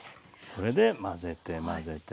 それで混ぜて混ぜて混ぜて。